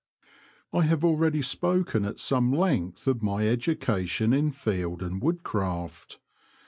I have already spoken at some length of my education in field and wood craft.